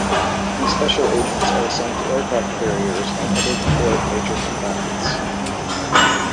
These special agents are assigned to aircraft carriers and other deployed major combatants.